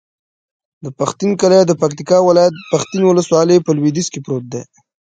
د پښتین کلی د پکتیکا ولایت، پښتین ولسوالي په لویدیځ کې پروت دی.